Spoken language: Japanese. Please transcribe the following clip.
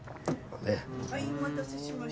はいお待たせしました。